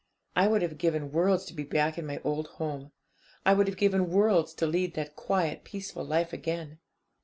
I would have given worlds to be back in my old home. I would have given worlds to lead that quiet, peaceful life again.